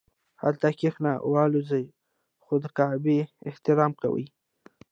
هلته کښیني والوځي خو د کعبې احترام کوي.